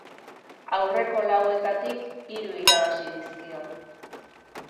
Aurreko lauetatik, hiru irabazi dizkio.